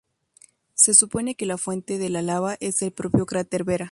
Se supone que la fuente de la lava es el propio cráter Vera.